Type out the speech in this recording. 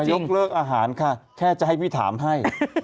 ยกเลิกอาหารค่ะแค่จะให้พี่ถามให้